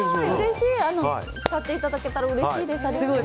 使っていただけたらうれしいです。